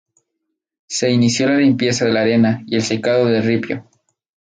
Se inició la limpieza de la arena y el sacado del ripio.